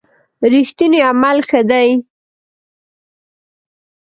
رښتوني عمل ښه دی.